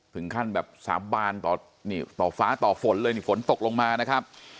ถึงขั้นแบบสาบานต่อฟ้าต่อฝนเลยนี่ฝนตกลงมานะครับ